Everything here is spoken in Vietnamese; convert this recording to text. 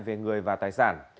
về người và tài liệu